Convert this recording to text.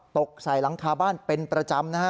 ตกใส่หลังคาบ้านเป็นประจำนะฮะ